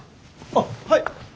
あっはい！